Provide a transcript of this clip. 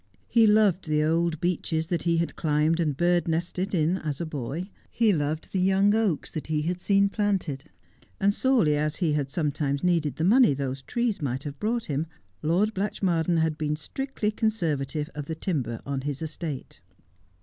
He loved the old beeches that he had climbed and birdnested in as a boy ; he loved the young oaks that he had seen planted ; and sorely as he had sometimes needed the money those trees might have brought him, Lord Blatchmardean had been strictly conservative of the timber on his estate.